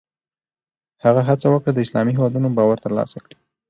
هغه هڅه وکړه د اسلامي هېوادونو باور ترلاسه کړي.